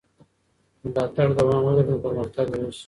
که ملاتړ دوام ولري نو پرمختګ به وسي.